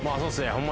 ホンマ